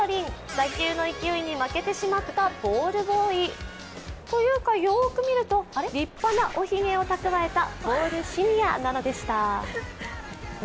打球の勢いに負けてしまったボールボーイというか、よーく見ると立派なおひげをたくわえた、ボールシニアなのでした。